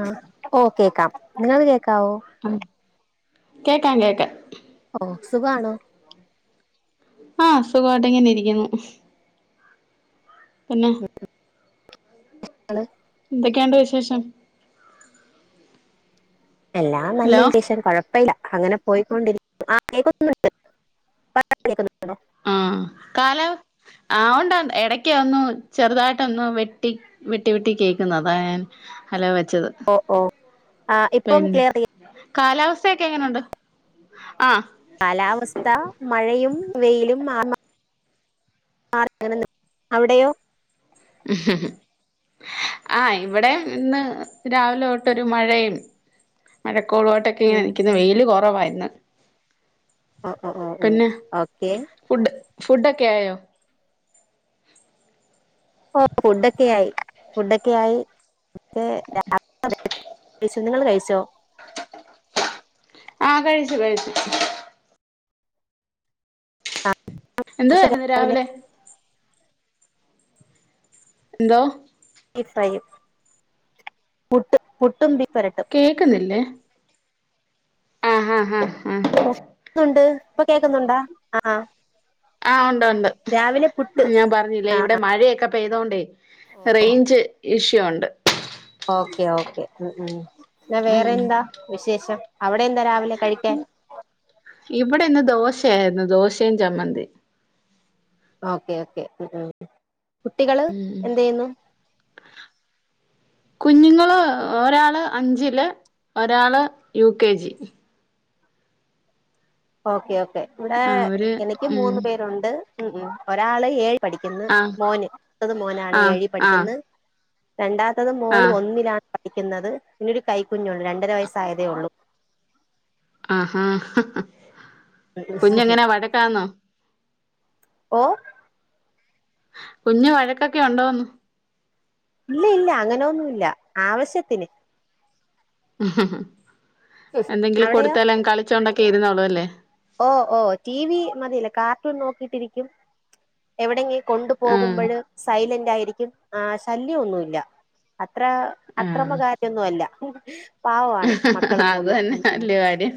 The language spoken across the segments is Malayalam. ആ ഓ കേക്കാം നിങ്ങക്ക് കേക്കാവോ കേക്കാം കേക്കാം ഓ സുഖാണോ ആ സുഖവായിട്ടിങ്ങനെ ഇരിക്കുന്നു പിന്നെ [unintelligible] ന്തൊക്കെയൊണ്ട് വിശേഷം എല്ലാം ഹലോ നല്ലവിശേശം കൊഴപ്പവില്ല അങ്ങനെ പോയിക്കൊണ്ടിരി ആ കേക്കുന്നുണ്ട് [unintelligible] ആഹ് കാല ആഹ് ഒണ്ട് ഇടക്ക് ഒന്നു ചെറുതായിട്ടൊന്ന് വെട്ടി വെട്ടി വെട്ടി കേക്കുന്നു അതാ ഞാൻ ഹലോ വെ ഓ ഓ ആ ഇപ്പം ക്ലിയറ് [unintelligible] കാലാവസ്ഥയൊക്കെ എങ്ങനെണ്ട്? കാലാവസ്ഥ മഴയും വെയിലും [unintelligible] അവിടെയോ ഹ്ഹഹ്ഹ ആഹ് ഇവിടെ ഇന്ന് രാവിലെ തൊട്ടൊരു മഴയും മഴ കൊളുവായിട്ടൊക്കെ ഇങ്ങനെ ഉം നിക്ക്ന്ന് വെയില് കൊറവാ ഇന്ന് ആ ഓ ഓ പിന്നെ ഓക്കെ ഫുഡ് ക്കെ ആയോ ഓ ഫുഡൊക്കെ ആയി ഫുഡൊക്കെ ആയി [unintelligible] നിങ്ങള് കഴിച്ചോ ആഹ് കഴിച്ചു കഴിച്ചു ആ എന്തു വര്ന്നു രാവിലെ എന്തോ ഫ്രൈയും പുട്ടും പുട്ടും ബി കേക്കുന്നില്ലേ ആഹ് ആഹ് ആഹ് ആഹ് ഓ കേക്കുന്നുണ്ട് ഇപ്പൊ കേക്കുന്നുണ്ടാ ആ ആഹ് ഒണ്ട് ഒണ്ട് രാവിലെ പുട്ട് ഞാൻ പറഞ്ഞില്ലേ ഇവിടെ മഴയൊക്കെ പെയ്തോണ്ടേ റൈഞ്ച ഇഷ്യൂ ഉണ്ട് ഓകേ ഓകെ ങ്‌ ങ്‌ ന്നാ ഉം വേറെന്താ വിശേഷം അവിടെന്താ രാവിലെ കഴിക്കാൻ ഇവിടെ ഇന്ന് ദോശയിരുന്നു ദോശയും ചമ്മന്തിയും ഓകെ ഓകെ കുട്ടികള് എന്ത് യ്യുന്നു കുഞ്ഞുങ്ങള് ഒരാള് അഞ്ചില് ഒരാള് U K G okay okay വിടെ അവര് എനിക്ക് ഉം മൂന്നു പേരുണ്ട് ഒരാള് ഏയ് പഠിക്കുന്ന് ആഹ് മോന് മൂത്തത് മോനാണ് ആഹ് ഏയിൽ ആഹ് പഠിക്കുന്ന രണ്ടാമത്തത് മോള് ആഹ് ഒന്നിലാ പഠിക്കുന്നത് പിന്നെ ഒരു കൈ കുഞ്ഞുണ്ട് രണ്ടര വയസ്സ് ആയതേയുള്ളു അ ഹാ ഹ അ അ കുഞ്ഞേങ്ങനെ വഴക്കാന്നോ ഓ ഹാ കുഞ്ഞേ വഴക്കൊക്കെ ണ്ടോന്ന് ഇല്ല ഇല്ല അങ്ങനെന്നുല്ല ആവശ്യത്തിന് എന്തെങ്കിലും അവിടെയോ കൊടുത്താൽ കളിച്ചോണ്ടക്കെ ഇരുന്നോളല്ലേ ഓ ഓ റ്റീ വി മതിയല്ലോ കാർട്ടൂൺ നോക്കീട്ടു ഇരിക്കും കൊണ്ടു ആഹ് പോകുമ്പയ്‌ സൈലന്റായിരിക്കും ആ ശല്യം ഒന്നുല്ല്യാ അ ത്ര അക്രമ ആഹ് കാര്യ ഒന്നൂല്യ പാവമാണ് മക്കള് അത് മൂന്നും തന്നെ വല്യ കാര്യം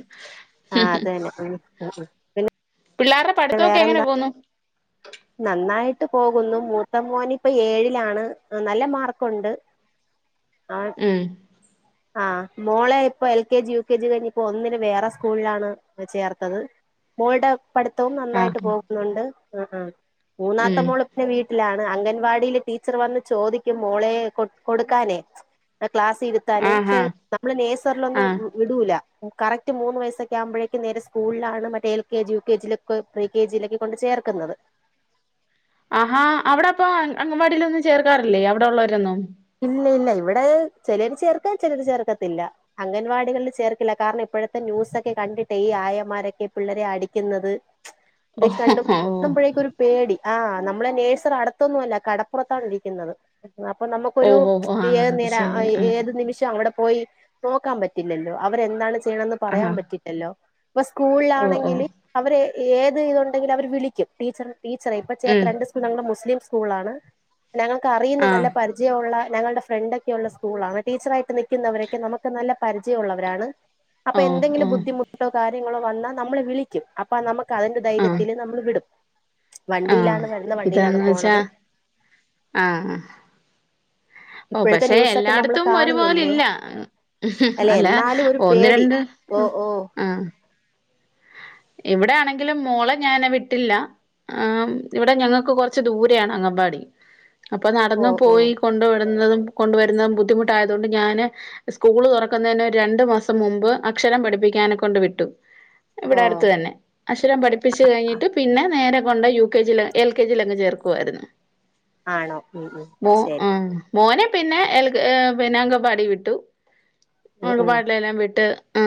ആ അതെന്നെ ങ്‌ ങ്‌ പിന്നെ പിള്ളേര പഠിത്തക്കൊ എങ്ങനെ പോവുന്നു നന്നായിട്ട് പോകുന്നു മൂത്ത മോന് പ്പ ഏയിലാണ് നല്ല മാർക്കുണ്ട് അവൻ ങ്‌ ഹേ ആ മോളെ ഇപ്പം L K G U K G കഴിഞ്ഞ് ഇപ്പ ഒന്നില് വേറെ സ്കൂളിലാണ് ചേർത്തത് മോൾടെ പഠിത്തവും നന്നായിട്ട് ആഹ് പോവുന്നുണ്ട് ങ്‌ ങ്‌ മൂന്നാമത്തെ ഉം മോള് ഇപ്പൊ വീട്ടിലാണ് അങ്ങനെ.. വാരീല് ടീച്ചർ വന്ന് ചോദിക്കും മോളെ കൊ കൊടുക്കാതെ ക്‌ളാസി താലേ ചെ ആഹാ ഞമ്മള് നെയ്സർ നൊന്നും ആഹ് വിടൂല കറക്റ്റ് മൂന്ന് വയസ്സ്‌ക്ക ആവുമ്പോയ്‌ക്ക് നേരെ സ്കൂളിലാണ് മറ്റേ L K G U K G ലൊക്കെ എൽ കെ ജി കൊണ്ട് ചെ ർക്കുന്നത് അ ഹാ അവ്ടപ്പം അംഗലാവടീലൊന്നും ചേർക്കാറില്ലേ അവിടെള്ളോരൊന്നും ഇല്ല ഇല്ല ഇവിടെ ചെലൊര് ചേർക്കും ചെലൊരു ചേർക്കത്തില്ല അംഗലാവാടികളിൽ ചേർക്കില്ല കാരണം ഇപ്പഴത്തെ ന്യൂസക്കെ കണ്ടിട്ട് ഈ ആയമ്മാരോക്കെ പിള്ളേരെ അടിക്കുന്നത് ഇത് ഓഹ് കണ്ട് മ്പയേക് ഒരു പേടി ആ ഞമ്മളെ നൈസർ അടുത്തൊന്നൂല്ല കടപ്പുറത്താണ് ഇരിക്കുന്നത് അപ്പം ഓഹ് ഒരു ഓഹ് ഓഹ് ആഹ് ഏത് അത് നേര ശരി ആഹ് ഏതു നിമിഷ അവിടെ. പോയി നോക്കാൻ പറ്റില്ലല്ലോ അവര് എന്താണ് ചെയ്യുന്നത് എന്ന് പറയാൻ ആഹ് പറ്റില്ലാലോ ഇപ്പ ഓഹ് ഓഹ് സ്കൂളിലാണെങ്കില് അവര് ഏത് ഇതൊണ്ടങ്കില് അവര് വിളിക്കും ടീച്ചർ ടീച്ചറെ ഇപ്പം ചേർത്ത ഉം രണ്ട് സ്കൂളും മുസ്ലിം സ്കൂളാണ് ഞങ്ങൾക് അറിയുന്ന നല്ല ആഹ് പരി ഒള്ള ഞങ്ങടെ ഫ്രണ്ടക്കെയുള്ള സ്കൂളാണ് ടീച്ചറായിട്ട് നിക്കുന്നവരൊക്കെ നമ്മക്ക് നല്ല പരിജയള്ളവരാണ് അപ്പ ഓഹ് എന്തെങ്കിലും ഓഹ് ബുദ്ധിമുട്ടോ കാര്യങ്ങളോ വന്നാ നമ്മളെ വിളിക്കും ക്കതിന്റെ ധൈര്യതിൽ നമ്മൾ വിടും അ ഹ വണ്ടിയിലാണ് വരുന്ന വണ്ടിയിലാണ് ഇതൊന്ന് വെച്ച പോണത് അ ഹ ഓ ഇപ്പോഴത്തെ പക്ഷേ ന്യൂസൊക്കെ നമ്മൾ എല്ലായിടത്തും ഒരു കാണുന്നില്ലേ പൊലില്ല ങ്‌ ങ്‌ ഹ് അല്ലെ അല്ലാ എന്നാലും ഒരു പേടി ഒന്നിരണ്ട് ഓ ഓ അ എവിടെ ആണെങ്കിലും മോളെ ഞാൻ വിട്ടില്ല ആ ഇവിടെ ഞങ്ങക് കൊറച്ച് ദൂരെ ആണ് അംഗൽവാടി അപ്പം ഓ നടന്ന് ഓ പോയി കൊണ്ട് ന്നതും കൊണ്ട് വരുന്നതും ബുദ്ധിമുട്ടായതോണ്ട് ഞാന് സ്കൂള് തുറക്കുന്നതിന് ഒരു രണ്ട് മാസം മുമ്പ് അ ക്ഷരം പഠിപ്പിക്കാണ് കൊണ്ട് വിട്ടു ഇവിടെ ഓ അടുത്ത് തന്നെ അക്ഷരം പഠിപ്പിച് കഴിഞ്ഞിട്ട് പിന്നെ നേരെ കൊണ്ട് U K G L K G അങ്ങ് ചേർക്കുവായിരുന്നു ആണോ ഉം ഉം മോ ശരി ആഹ് മോനെ പിന്നെ എ ൽ പിന്നെ അംഗൻവാടിവിട്ടു ഉം ഉം അംഗൻവാടിയി ലെല്ലാം വിട്ട് ആ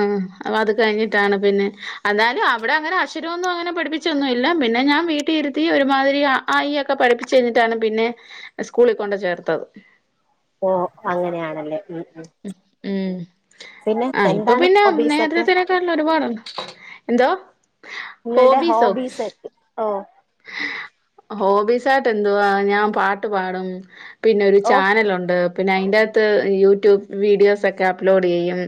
അപ്പോ അത് കഴിഞ്ഞിട്ടാണ് പിന്നെ അന്നാലും അവിടെ അങ്ങനെ അക്ഷരമൊന്നും അങ്ങനെ പഠിപ്പിച്ചൊന്നുമില്ല പിന്നെ ഞാൻ വീട്ടിലിരുത്തി ഒരുമാതിരി അ ആ ഇ യെക്കെ പഠിപ്പിച്ച് കഴിഞ്ഞിട്ടാണ് പിന്നെ സ്കൂളിൽ കൊണ്ട് ചേർത്തത് ഓ അങ്ങനെയാണല്ലേ ഉം ഉം പിന്നെ ആ ഇപ്പോ എന്താണ് പിന്നെ ഹോബീസ് ഒക്കെ നേരത്തത്തിനെ ക്കാട്ടിലും ഒരുപാടുണ്ട് എന്തോ നിങ്ങളടെ ഹോബീസോ ഹോബീസ് ഒക്കെ ഓ ഹോബീസ് ആയിട്ട് എന്തുവാ ഞാൻ പാട്ട് പാടും പിന്നെ ഒരു ഓ ചാനലുണ്ട് പിന്നെ അയിന്റെ അകത്ത് യൂട്യൂബ് വീഡിയോസ് ഒക്കെ അപ്‌ലോഡ് ചെയ്യും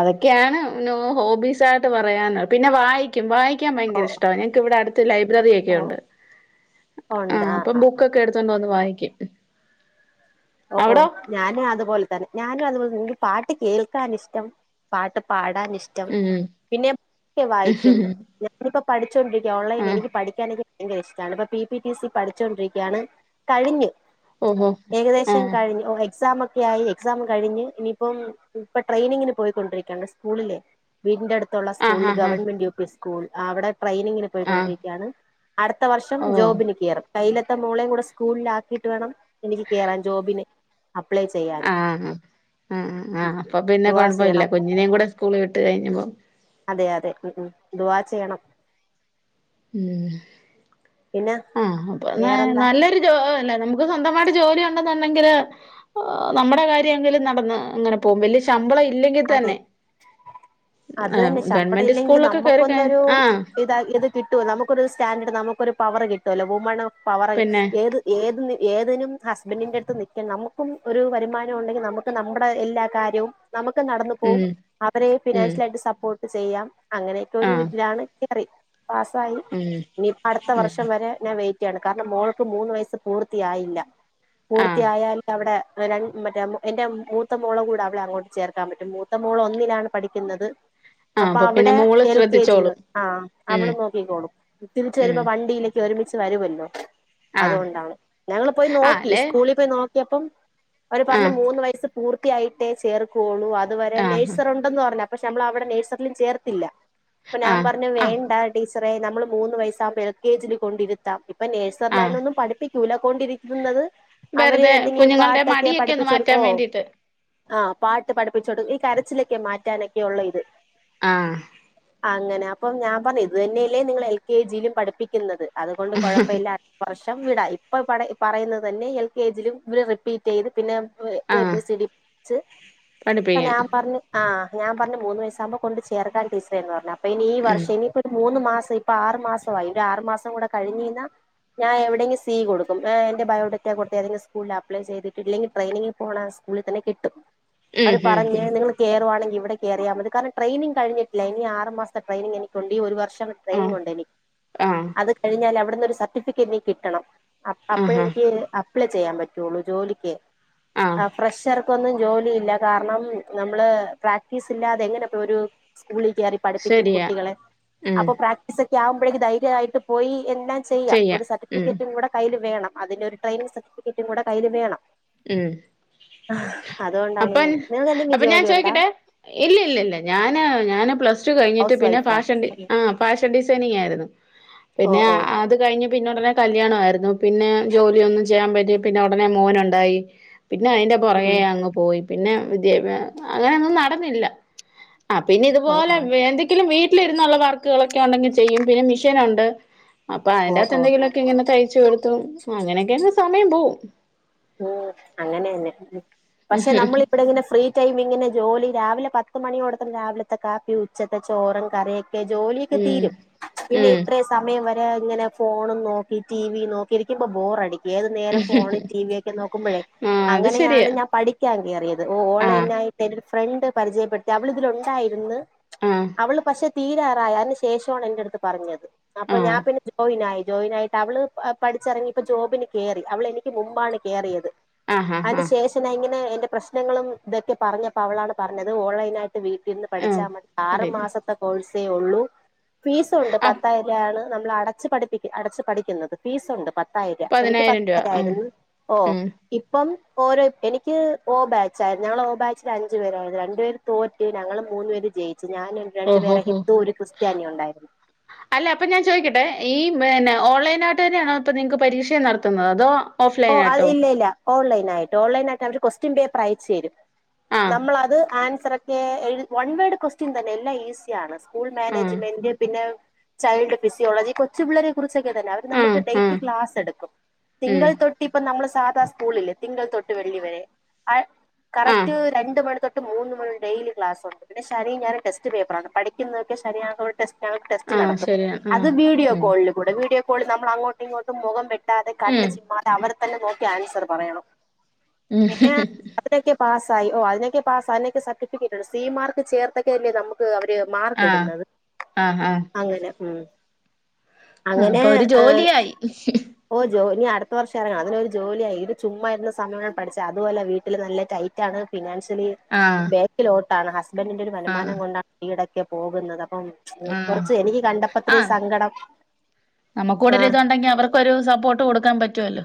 അതൊക്കെയാണ് ഹോ ഹോബീസ് ആയിട്ട് പറയാൻ പിന്നെ വായിക്കും വായിക്കാൻ ഓ ഭയങ്കര ഇഷ്ടമാ ഞങ്ങക്ക് ഇവിടെ അടുത്ത് ലൈബ്രറി ഓ റിയൊക്കെയുണ്ട് ആ അപ്പം ബുക്കൊക്കെ എടുത്തോണ്ട് വന്ന് വായിക്കും ഓ ഓ അവിടോ ഞാനും അതുപോലെ തന്നെ ഞാനും അതുപോലെ തന്നെ പാട്ട് കേൾക്കാൻ ഇഷ്ടം പാട്ട് പാടാൻ ഇ ഇഷ്ടം ഉം പിന്നെ വായിക്കും ഞാനിപ്പോ പഠിച്ചോണ്ടിരിക്ക ആ ഓൺലൈനിൽ എനിക്ക് പഠിക്കാനെക്കെ ഭയങ്കര ഇഷ്ടമാണ് ഇപ്പൊ പി ടി ടി സി പഠിച്ചുകൊണ്ടിരിക്കയാണ് കഴിഞ്ഞ് ഹ് ഹ് മം കഴിഞ്ഞു എക്സാം ഒക്കെ ക്കായി എക്സാം കഴിഞ്ഞ് ഇനിയിപ്പം ഇപ്പോ ട്രെയിനിങ്ങിന് പോയിക്കൊണ്ടിരിക്കണ് സ്കൂളിലെ വീടിന്റെ അടുത്ത് ത്ത് ആ ഹാ സ്കൂളില് ഹാ ഗവൺമെന്റ് യു പി സ്കൂൾ അവിടെ ട്രെയിനിങ്ങിന്ന് ആ പൊയ്ക്കൊണ്ടിരിക്കയാണ് അടുത്ത വർഷം ഓ ജോബിന് കേറും കയ്യിലത്തെ മോളേയും കൂടെ സ്കൂളിൽ ആക്കിയിട്ട് വേണം എനിക്ക് കേറാൻ ജോബിന് അപ്ലൈ ചെയ്യാന് ആഹ് ആ ആ അപ്പോ പിന്നെ ദുആ കൊഴപ്പമില്ല ചെയ്യണം കുഞ്ഞിനേയും കൂടെ സ്കൂളിൽ വിട്ട വിട്ടു കഴിഞ്ഞപ്പം അതെ അതെ ഉം ഉം ദുവാ ചെയ്യണം ഉം ഉം പിന്നെ ആ അപ്പോ നല്ല വേറെന്താ നല്ലൊരു ജോലി നമുക്ക് സ്വന്തമായിട്ട് ജോലി ഉണ്ടെന്നുണ്ടെങ്കില് നമ്മടെ കാര്യമെ ങ്കിലും നടന്ന് ഇങ്ങനെ പോകും വലിയ ശമ്പളം ഇല്ലെ ഇല്ലെങ്കിൽ അതെ തന്നെ അത് തന്നെ ശമ്പളം ഗവൺമെന്റ് ഇല്ലെങ്കിലും സ്കൂളിലൊക്കെ കേറി കഴി നമ്മക്കൊന്നൊരു ആഹ് ഇതാ ഇത് കിട്ടുവല്ലോ നമുക്കൊരു സ്റ്റാൻഡേർഡ് നമുക്കൊരു പവറ് കിട്ടുമല്ലോ വുമണ് പവർ പിന്നെ ഏത് ഏത് ഏതിനും ഹസ്ബൻഡിന്റെ അടുത്ത് നിൽക്കാൻ നമുക്കും ഒരു വരുമാനം ഉണ്ടെങ്കില് നമുക്ക് നമ്മടെ എല്ലാ കാര്യവും നമുക്ക് ഒക്കെ നടന്നു പോവും ഉം അവരെ ഉം ഫിനാൻഷ്യൽ ആയിട്ട് സപ്പോർട്ട് ചെയ്യാം അങ്ങനെയെക്കെ ഒരു ആഹ് ഇതിലാണ് കേറി പാസായി ഉം ഇനിയിപ്പോ അടുത്ത ഉം വർഷം വരെ ഞാൻ വെയി ക്കാണ് കാരണം മോൾക്ക് മൂന്ന് വയസ്സ് പൂർത്തിയായില്ല ആഹ് പൂർത്തിയായാലെ അവിടെ [unintelligible] മറ്റേ എന്റെ മൂത്ത മോളടെകൂടെ അവിടെ അങ്ങോട്ട് ചേർക്കാൻ പറ്റും മൂത്ത മോള് ഒന്നിലാണ് പഠിക്കുന്നത് ആഹ് അപ്പോ അപ്പൊ പിന്നെ അവിടെ മോള് എൽ കെ ജി ല് ശ്രദ്ധിച്ചോളും ആ ഉം അവള് നോക്കിക്കോളും തിരിച്ച് ഉം വരുമ്പോ വണ്ടിയിലെക്കെ ഒരുമിച്ച് വരുല്ലോ ആഹ് അതുകൊണ്ടാണ് ഞങ്ങള് പോയി ആഹ് നോക്കി അല്ലെ സ്കൂളിൽ പോയി നോക്കിയപ്പം അവര് പറഞ്ഞേ ആഹ് മൂന്ന് വയസ്സ് പൂർത്തിയായിട്ടേ ചേർക്കുവൊള്ളൂ അതുവരെ ആഹ് നഴ്സർ ഉണ്ടന്ന് പറഞ്ഞു പക്ഷെ നമ്മള് അവിടെ നേഴ്സറിയിലും ചേർത്തില്ല അപ്പോ ഞാൻ ആഹ് പറഞ്ഞു ആഹ് വേണ്ട ടീച്ച റേ നമ്മള് മൂന്ന് വയസ്സാവുമ്പോ എൽ കെ ജി കൊണ്ടിരിത്താം ഇപ്പോ ആഹ് നേഴ്സറിലായോ ഒന്നും പഠിപ്പിക്ക ക്കൂല കൊണ്ടിരിക്കുന്നത് അവര് വെറുതെ എന്തെങ്കിലും കുഞ്ഞുങ്ങളുടെ പാട്ടെക്കെ മടിയൊക്കെ ഒന്ന് പഠിപ്പിച്ച് കൊടുക്കും മാറ്റാൻ ഓ വേണ്ടിട്ട് ആ പാട്ട് പഠിപ്പിച്ചു കൊടുക്കും ഈ കരച്ചിലെക്കെ മാറ്റാനൊക്കെ ഉള്ള ഇത് ആ അങ്ങനെ അപ്പം ഞാൻ പറഞ്ഞേ ഇത് തന്നെയല്ലേ നിങ്ങള് എൽ കെ ജിയിലും പഠിപ്പിക്കുന്നത് അതുകൊണ്ട് കൊഴപ്പമില്ല അടുത്ത വർ വർഷം വിടാം ഇപ്പോ പറയുന്നത് തന്നെ എൽ കെ ജിയിലും ഇവിടെ റിപ്പീറ്റ് ചെയ്ത് പിന്നെ A ah B C D പഠിപ്പിച്ച് അപ്പോ ഞാൻ പഠിപ്പിക്കാം പറഞ്ഞ് ആ ഞാൻ പറഞ്ഞ് മൂന്ന് വയസ്സാകുമ്പോ കൊണ്ട് ചേർക്കാം ടീച്ചറെന്ന് പറഞ്ഞു അപ്പ ഇനി ഈ ഉം വർഷം ഇനി ഒരു മൂന്ന് മാസം ഇപ്പോ ആറ് മാസമായി ഒരു ആറു മാസം കൂടെ കഴിഞ്ഞീന്ന ഞാ ഇവിടന്ന് സീ കൊടുക്കും ആ ൻ്റെബാങ്കക്കൗണ്ട് കൊടുത്തയിഞാ സ്കൂളാപ്പില് ചെയ്തിട്ടില്ലെങ്കിൽ ട്രെയിനിങ്ങ് പോണം സ്കൂളിൽതന്നെകിട്ടും അവര് പറഞ്ഞ് ഉം നിങ്ങള്കേരുവാണെങ്കി ഇവിടെ കേറിയാമതി കാരണം ട്രെയിനിങ് കഴിഞ്ട്ടില്ല ഇനിആറ് മാസ്ത്തെ ടെയിനിങ് എനിക്കുണ്ട് ഈഒരുവഷം ട്ടണം ഉം ഉം ട്രെനിങ്ണ്ടനി ആഹ് അത് കഴിഞ്ഞാൽ അവിടുന്നൊരു സട്ടിഫിക്കേറ്റ്നികിട്ടണം ആഹ് ആഹാ അപ്പത്തെനിക്ക് അപ്ലൈ ചെയ്യാൻപറ്റൊള്ളൂ ജോലിക്കൈ ആ ആഹ് ഫ്രഷാർക്കൊന്നും ജോലിയില്ല കാരണം നമ്മള് പ്രാക്ടീസില്ലാതെ എങ്ങനെതരും സ് [unintelligible] പഠിപ്പിക്കും ശരിയാ കുട്ടികളെ ഉം അപ്പൊ പ്രാക്ടീസക്കെ ആകുമ്പോഴേക്ക് ധൈര്യായിട്ട് പോയി എല്ലാംചെയ്യാം ചെയ്യാം ഒരു ഉം സർട്ടിഫിക്കറ്റും കൂടെ കയ്യില് വേണം അതിന്റെ ഒരു ട്രെയിനിങ് സർട്ടിഫിക്കറ്റുംകൂടെ കയ്യില് വേണം ഉം അപ്പൊ അതുകൊണ്ടാണിങ്ങനെ അപ്പൊ ഞാൻ ചോയ്ക്കട്ടെ ഇല്ലില്ലല്ലാ ഞാന് ഞാന് പ്ലസ് സ്ടു കഴിഞ്ഞിട്ട് ഹൗസ് പിന്നെ വൈഫാ പാഷൻഡി ഉം ആ പാഷൻഡിസൈനിങ്ങായിരുന്നു ഓ പിന്നെ ഓ അത് കഴിഞ്ഞ് പിന്നുടെനെ കല്യാണായിരുന്നു പിന്നെ ജോലിയൊന്നും ചെയ്യാൻ പറ്റീറ്റില്ല ഉടനെ മോനുണ്ടായി പിന്നെ അയ്ന്റെ ഉം പുറകെ അങ്ങ് പോയി പിന്നെ വിദ്യാഭ്യാ അങ്ങനെയൊന്നും നടന്നില്ല ആ പിന്നെ ഓ ഇതുപോലെ ഓ വേ എന്തെങ്കിലും വീട്ടിലിരുന്നുള്ള വർക്കുകളൊക്കെണ്ടെങ്കില് അപ്പൊ ഓ ഓ അയ്ന്റെത്ത്ന്തെങ്കിലൊക്കെ ങ്ങനെതയ്ച്ചുകൊടുത്തും പൊ അങ്ങനെയൊക്കങ്ങ് സമയം പോവും ഉം അങ്ങനെന്നെ പക്ഷെ നമ്മള് ഇവിടെ ഇങ്ങനെ ഫ്രീ ടൈം ചെയ്യുന്നജോലി രാവിലെ പത്ത് മണിയോടത്തം രാവിലത്തെ കാപ്പി ഉച്ചത്തെ ചോറും കറിയും ജോലിയ്ക്കെ ഉം തീരും ഉം പിന്നെഇത്ര സമയംവരെ ഞാങ്ങ്നെ ഫോണുംനോക്കി ടി വി നോക്കിരിക്കുമ്പോ ബോറടിക്കേത് നേരെഫോണ് ടി വി ഒക്കെ നോക്കുമ്പോഴേ ആ അത് അങ്ങനെയാണ് ശരിയാ ഞാൻ പഠിക്കാൻ കേറിയത് ഓ ആ ഓൺലൈനായിട്ട് ഫ്രണ്ട് പരിചയപ്പെട്ട് അവള് തിലുണ്ടായിരുന്ന് ആ അവള് പക്ഷെ തീരാറായ അതിനു ശേഷാണ് എന്റെടുത്ത് പറഞ്ഞത് അപ്പൊ ആ ഞാൻ പിന്നെ ജോയിനായി ജോയിനായിട്ട് അവള് പ പഠിച്ചിറങ്ങീപ്പോ ജോബിന് കേറി അവളെനിക്ക് മുമ്പാണ് കേറിയത് ആ ഹാ ഐൻ്റെ ഹാ ശേഷനാങ്ങനെ എന്റെ പ്രശ്നങ്ങളും തൊക്കെ പറഞ്ഞപ്പോ അവളാണ് പറഞ്ഞത് ഓൺലൈനായിട്ട് വീട്ടിന്ന് ആ പഠിച്ചാമതി ആറു പഠിക്ക മാസത്തെ കോഴ്സേ ഒള്ളൂ ഫീസുണ്ട് ആ പത്തായിരൃണ് നമ്മൾ അടച്ചുപഠിപ്പിക്ക അടച്ചു പഠിക്കുന്നത് ഫീസുണ്ട് പത്തായിര എനിക്ക് പ പതിനായിരം രൂപ ഉം തായിരുന്നു ഓ ഉം ഇപ്പം ഓരോ എനിക്ക് ഓ ബാച്ചായിരുന്നു ഞങ്ങളൊ ഓബാച്ച് അഞ്ചു പേരായിരുന്നു രണ്ടു പേര് തോറ്റ് ഞങ്ങൾ മൂന്നു പേര് ജയിച്ച് ഓഹോ ഹോ ഉണ്ടായിരുന്നു അല്ല അപ്പൊ ഞാൻ ചോയ്ക്കട്ടെ ഈ പിന്നെ ഓൺലൈനായിട്ട്തന്നെയാണോ ഇപ്പൊനിൻക്ക് പരീക്ഷയും നടത്തുന്നത് അതോ ഓ അഅ് ഓഫ്‌ലൈനായിട്ടോ ഇല്ല ല്ല ഓൺലൈനായിട്ട് ഓലൈനായിട്ടവര് ക്വസ്റ്റ്യൻ പേപ്പർ അയച്ചരും ആ നമ്മളത് ആൻസൊറെക്കെ എഴു വൺവേഡ് ക്വസ്റ്റ്യൻതന്നെ എല്ലാം ഈസിയാണ് സ്കൂൾ ആ മേനേജ്മെന്റ് പിന്നെ ചൈൽഡ് ഫിസിയോളജി കൊച്ചു പിള്ളരെ കുറി ച്ചെ ക്കെണ്ടല്ലോ അവര് ആ നമ്മക്ക് ആ ഡേറ്റ് ക്ലാസെടുക്കും ഉം തിങ്കൾ തൊ നമ്മളെ സാധാ സ്കൂളില്ലേ തിങ്കൾ തൊട്ട് വെള്ളി വരെ ആ ആഹ് കറക്റ്റ് രണ്ടു മണി തൊ മൂന്ന്മണി ഡെയിലിക്ലാസുണ്ട് പിന്നെ ശരി ഞാന് ടെസ്റ്റ് പേപ്പറാണ് പഠിക്കുന്നൊക്കെ ശനിയാണോ ടെസ്റ്റ് ഞങ്ങക്ക് ആഹ് ടെസ്റ്റ്നടത്തും ശരിയാ അത് ആഹ് വീഡിയോ ഉം കോള്കൂടെ വീഡിയോ കോള് നമ്മളങ്ങോട്ടിങ്ങോട്ടും മൊഖം വെ ട്ടാതെ ഉം കണ്ണ്ചിമ്മാതെ അവരെ തന്നെനോക്കി ആൻസർ പറയണം ഉം പിന്നെ അപ്പത്തേക് പാസ് സായി ഓ അതിനൊക്കെ പാസ് അതിനൊക്കെ സർട്ടിഫിക്കറ്റ്ണ്ട് സി മാർക്ക് ചേർത്തക്കല്ലേ നമ്മക്ക് അവ ര് ആഹ് മാർക്കിടുന്നത് ആഹ് അങ്ങനെ ഉം ആ അങ്ങനെ അപ്പൊരുജോലിയായി ത്ത് വർഷങ്ങനെ അത് കഴിഞ്ഞാ ജോലിയായി ഇത് ചുമ്മായിരുന്ന് സമയമാണ് പഠിച്ച അത് വല വീട്ടില് നല്ല ടൈറ്റാണ് ഫിനാൻഷ്യ ലി ആഹ് ബേകിലോട്ടാണ് ഹസ്ബൻഡിന്റൊരു ആഹ് വരുമാനം കൊണ്ടാ വീടൊക്കെ പോകുന്നത് ഉം ആഹ് കൊറച്ച് എനിക്ക് കണ്ടപ്പത്ര സങ്കടം ആ നമ്മക്കൊര്ത്ണ്ടെങ്കി അവർക്കൊരു സപ്പോർട്ട് കൊടുക്കാൻ പറ്റൊല്ലോ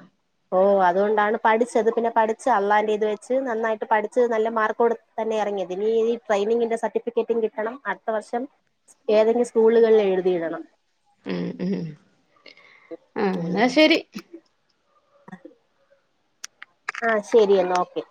ഓ അതുകൊണ്ടാണ് പഠിച്ചത് പിന്നെ പഠിച്ച് അള്ളാൻ്റേത് വെച്ച് നന്നായിട്ട് പഠിച്ച് നല്ല മാർക്കൊടു തന്നെ എർങ്ങ്യത് ഇനി ഈ ട്രെയിനിങ്ങിന്റെ സർട്ടിഫിക്കറ്റും കിട്ടണം അട്ത്ത വർഷം ഏതെങ്കിലും സ്കൂള്കള് എഴു തിടണം ഉം ഉം ആ ന്നാ ശെരി അ ശെരി ന്നാ ഓക്കെ